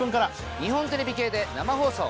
日本テレビ系で生放送！